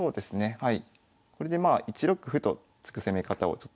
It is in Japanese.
はい。